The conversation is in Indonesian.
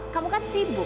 kamu kan sibuk